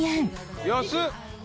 「安っ！」